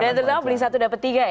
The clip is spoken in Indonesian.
dan terutama beli satu dapat tiga ya